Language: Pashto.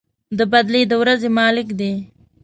د بَدلې د ورځې مالك دی.